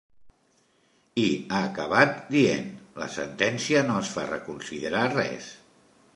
I ha acabat dient: La sentència no es fa reconsiderar res.